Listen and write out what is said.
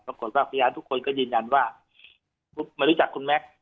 ปรากฏว่าพยานทุกคนก็ยืนยันว่ามารู้จักคุณแม็กซ์